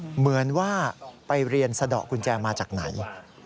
เหมือนว่าไปเรียนสะดอกกุญแจมาจากไหน